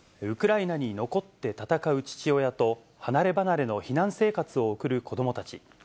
ウクライナに残って戦う父親と離れ離れの避難生活を送る子どもたち。